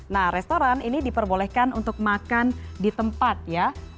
nah restoran ini diperbolehkan untuk makan di tempat ya